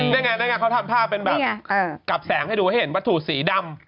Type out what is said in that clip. ได้ไงได้ไงเขาทำภาพเป็นแบบเนี้ยเออกลับแสงให้ดูให้เห็นวัตถุสีดำ